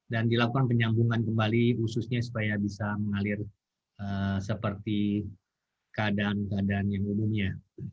dan dilakukan penyambungan kembali ususnya supaya bisa mengalir seperti keadaan keadaan yang sebelumnya